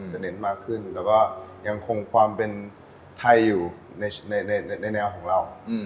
เน้นมากขึ้นแล้วก็ยังคงความเป็นไทยอยู่ในแนวของเรา